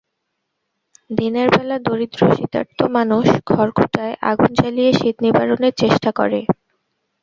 দিনের বেলা দরিদ্র শীতার্ত মানুষ খড়কুটায় আগুন জ্বালিয়ে শীত নিবারণের চেষ্টা করে।